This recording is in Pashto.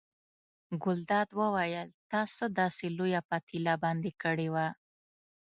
ګلداد وویل تا څه داسې لویه پتیله باندې کړې وه.